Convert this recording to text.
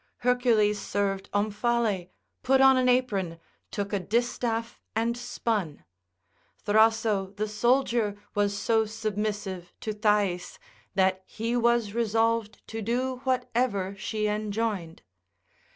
Hercules served Omphale, put on an apron, took a distaff and spun; Thraso the soldier was so submissive to Thais, that he was resolved to do whatever she enjoined.